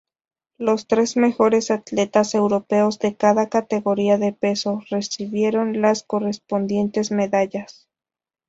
Los tres mejores atletas europeos de cada categoría de peso recibieron las correspondientes medallas.